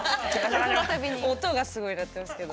音がすごい鳴ってますけど。